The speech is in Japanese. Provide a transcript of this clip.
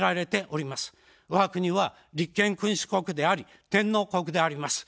わが国は立憲君主国であり、天皇国であります。